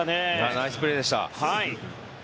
ナイスプレーでした。